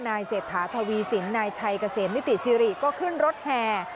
เศรษฐาทวีสินนายชัยเกษมนิติสิริก็ขึ้นรถแห่